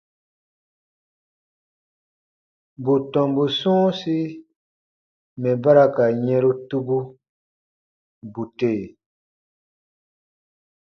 Bù tɔmbu sɔ̃ɔsi mɛ̀ ba ra ka yɛ̃ru tubu, bù tè.